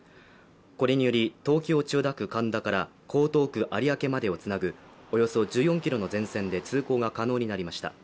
これにより東京・千代田区神田から江東区有明までをつなぐ、およそ１４ｋｍの全線で通行が可能になりました。